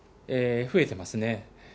増えてますね。